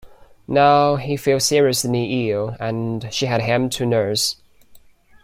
Now he fell seriously ill, and she had him to nurse.